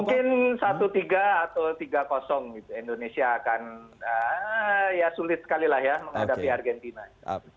mungkin satu tiga atau tiga indonesia akan ya sulit sekali lah ya menghadapi argentina